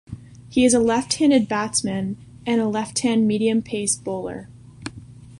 He is a left-handed batsman and a left-hand medium-pace bowler.